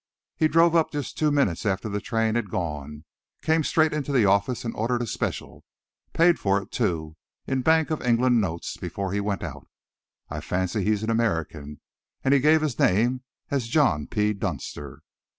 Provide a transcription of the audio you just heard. "He drove up just two minutes after the train had gone, came straight into the office and ordered a special. Paid for it, too, in Bank of England notes before he went out. I fancy he's an American, and he gave his name as John P. Dunster."